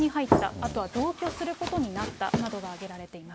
あとは同居することになったなどが挙げられています。